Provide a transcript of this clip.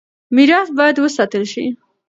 ميراث بايد وساتل شي.